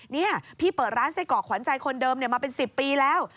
นี่พี่เปิดร้านไส้กรอกขวัญใจคนเดิมมาเป็น๑๐ปีแล้ว